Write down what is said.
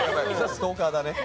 ストーカーだね。